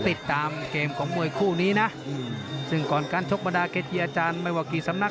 ติดตามเกมของมวยคู่นี้นะซึ่งก่อนการชกบรรดาเกจีอาจารย์ไม่ว่ากี่สำนัก